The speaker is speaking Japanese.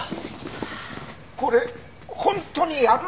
これ本当にやるの！？